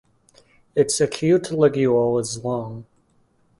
Its acute ligule is long.